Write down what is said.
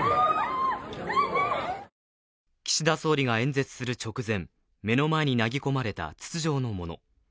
岸田総理が演説する直前、目の前に投げ込まれた筒状のもの。